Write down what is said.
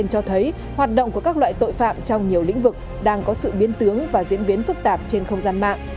cho thấy hoạt động của các loại tội phạm trong nhiều lĩnh vực đang có sự biến tướng và diễn biến phức tạp trên không gian mạng